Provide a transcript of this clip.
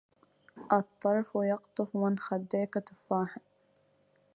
الطرف يقطف من خديك تفاحا